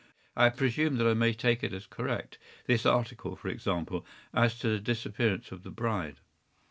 I presume that I may take it as correct—this article, for example, as to the disappearance of the bride.